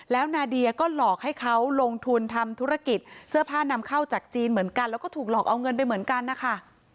แล้วนาเดียก็หลอกให้เขาลงทุนทำธุรกิจเสื้อผ้านำเข้าจากจีนเหมือนกันแล้วก็ถูกหลอกเอาเงินไปเหมือนกันนะคะ